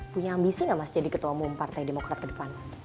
punya ambisi nggak mas jadi ketua umum partai demokrat ke depan